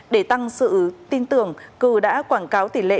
để tăng sự tin tưởng cử đã quảng cáo tỷ lệ